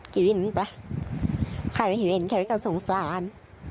กินไปใครเห็นใครก็สงสาร